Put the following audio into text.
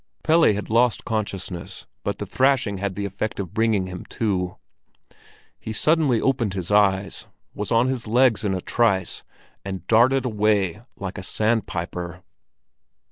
Pelle had lost consciousness, but the thrashing had the effect of bringing him to. He suddenly opened his eyes, was on his legs in a trice, and darted away like a sandpiper.